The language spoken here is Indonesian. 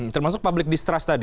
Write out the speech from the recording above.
termasuk public distress tadi